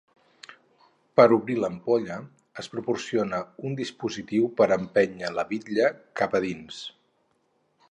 Per obrir l'ampolla, es proporciona un dispositiu per empènyer la bitlla cap a dins.